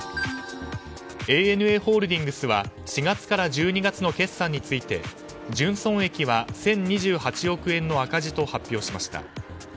ＡＮＡホールディングスは４月から１２月の決算について純損益は１２８０億円の赤字と発表しました。